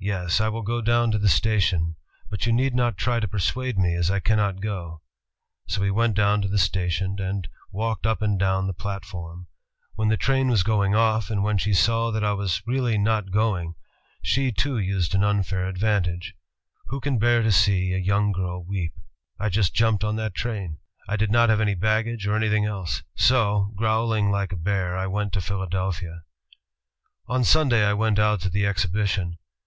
'Yes, I will go down to the station, but you need not try to persuade me, as I cannot go.' So we went down to the station and walked up and down the platform. When the train was going off, and when she saw that I was really not going, she too used an imfair advantage. Who can bear to see a young girl weep? I just jimiped on that train. I did not have any baggage or anything else. So, growling like a bear, I went to Philadelphia "On Sunday I went out to the exhibition.